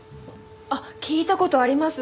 あっ聞いた事あります。